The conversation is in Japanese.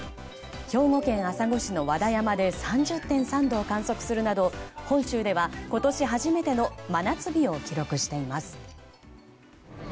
兵庫県朝来市の和田山で３０．３度を観測するなど本州では今年初めての真夏日を記録しています。